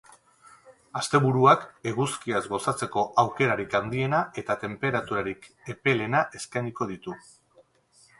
Asteburuak eguzkiaz gozatzeko aukerarik handiena eta tenperaturarik epelenak eskainiko ditu.